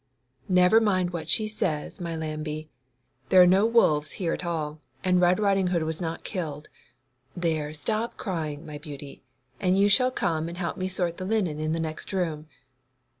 'Never you mind what she says, my lambie; there are no wolves here at all, and Red Riding hood was not killed. There, stop crying, my beauty, and you shall come and help me sort the linen in the next room.